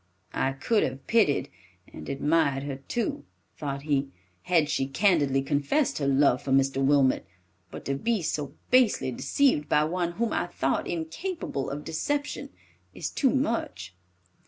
"I could have pitied, and admired her, too," thought he, "had she candidly confessed her love for Mr. Wilmot; but to be so basely deceived by one whom I thought incapable of deception is too much."